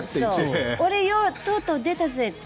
俺、とうとう出たぜって。